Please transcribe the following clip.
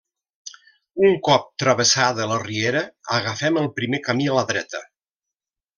Un cop travessada la riera, agafem el primer camí a la dreta.